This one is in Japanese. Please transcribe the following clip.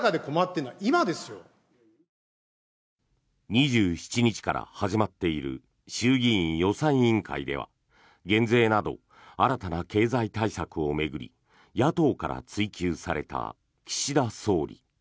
２７日から始まっている衆議院予算委員会では減税など新たな経済対策を巡り野党から追及された岸田総理。